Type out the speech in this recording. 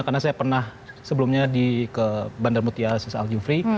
karena saya pernah sebelumnya di bandara mutiara sis aljufri